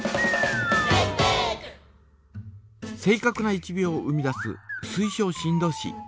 正かくな１秒を生み出す水晶振動子。